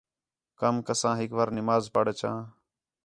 کم کساں ہِک وار نماز پڑھ اچاں